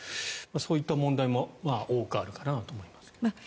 そういった問題も多くあるかなと思いますが。